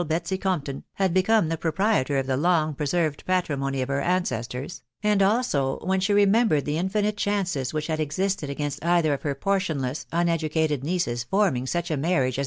Betsy Gomptorr, had1 become the proprietor of the Longvp: served patrimony of her ancestors, .... and also, when she: membered the infinite chances which had existed against ^ithar^ of her portionless, uneducated nieces forming such ai as.